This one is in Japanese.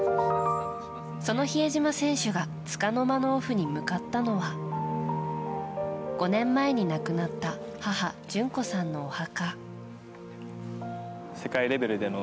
その比江島選手がつかの間のオフに向かったのは５年前に亡くなった母・淳子さんのお墓。